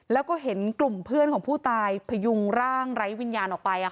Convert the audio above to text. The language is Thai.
แล้วก็เห็นกลุ่มเพื่อนของผู้ตายพยุงร่างไร้วิญญาณออกไป